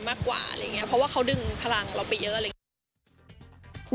มากกว่าอะไรอย่างเงี้ยเพราะว่าเขาดึงพลังเราไปเยอะอะไรอย่างนี้